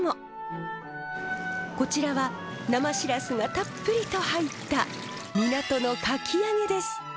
こちらは生シラスがたっぷりと入った港のかき揚げです。